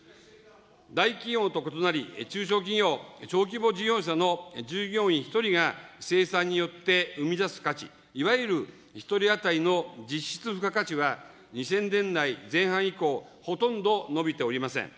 大企業と異なり、中小企業・小規模事業者の従業員１人が生産によって生み出す価値、いわゆる１人当たりの実質付加価値は、２０００年代前半以降、ほとんど伸びておりません。